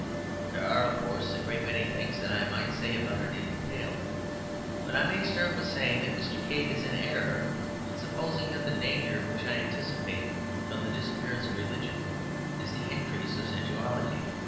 There are, of course, a great many things that I might say about it in detail. But I may start with saying that Mr. McCabe is in error in supposing that the danger which I anticipate from the disappearance of religion is the increase of sensuality.